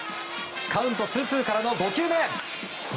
カウントツーツーからの５球目。